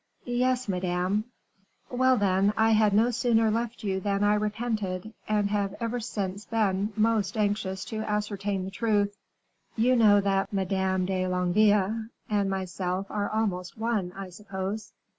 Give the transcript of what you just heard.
"Yes, madame." "Well, then, I had no sooner left you than I repented, and have ever since been most anxious to ascertain the truth. You know that Madame de Longueville and myself are almost one, I suppose?"